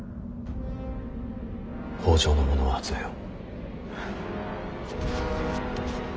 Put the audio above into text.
北条の者を集めよ。